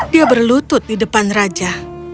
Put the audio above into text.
dia berlutut di depan raja